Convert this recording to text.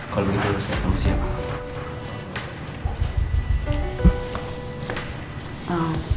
kalau begitu harusnya kamu siap